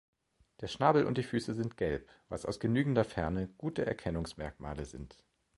Der Schnabel und die Füße sind gelb, was aus genügender Ferne gute Erkennungsmerkmale sind.